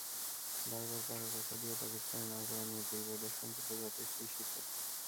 বারবার পাকা কথা দিয়েও পাকিস্তানে না-যাওয়া নিয়ে দুই বোর্ডের সম্পর্ক যথেষ্টই শীতল।